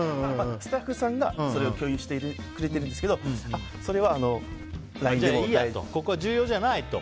スタッフさんが共有してくれているんですけどここは重要じゃないと。